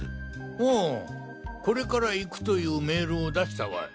あぁこれから行くというメールを出したわい。